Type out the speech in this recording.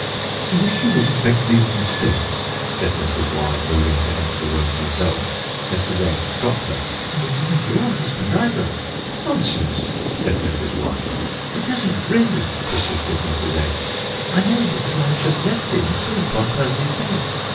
"I wish you wouldn't make these mistakes," said Mrs. Y., moving to enter the room herself. Mrs. X. stopped her. "And it isn't your husband either." "Nonsense," said Mrs. Y. "It isn't really," persisted Mrs. X. "I know, because I have just left him, asleep on Percy's bed."